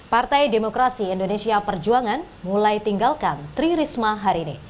partai demokrasi indonesia perjuangan mulai tinggalkan tririsma hari ini